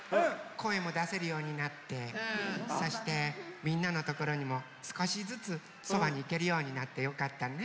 こえもだせるようになってそしてみんなのところにもすこしずつそばにいけるようになってよかったね。